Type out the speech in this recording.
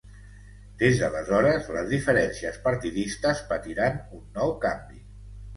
Des d'aleshores les diferències partidistes patiran un nou canvi.